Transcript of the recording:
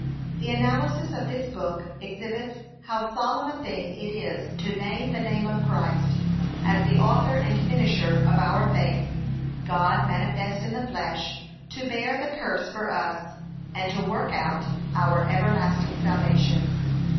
The analysis of this book exhibits How solemn a thing it is to name the name of Christ, as the author and finisher of our faith God manifest in the flesh, to bear the curse for us, and to work out our everlasting salvation.